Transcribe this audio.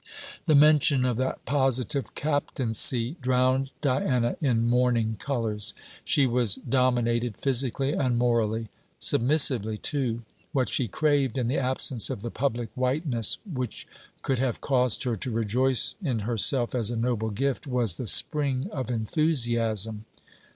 The mention of that positive captaincy drowned Diana in morning colours. She was dominated, physically and morally, submissively too. What she craved, in the absence of the public whiteness which could have caused her to rejoice in herself as a noble gift, was the spring of enthusiasm.